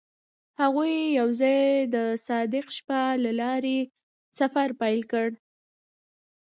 هغوی یوځای د صادق شپه له لارې سفر پیل کړ.